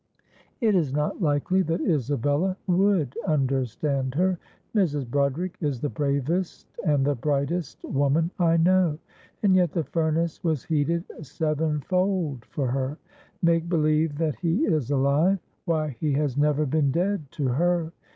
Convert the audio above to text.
"It is not likely that Isabella would understand her; Mrs. Broderick is the bravest and the brightest woman I know, and yet the furnace was heated sevenfold for her. Make believe that he is alive! Why, he has never been dead to her!